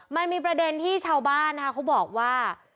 มันมีประเด็นที่ชาวบ้านนะคะเขาบอกว่า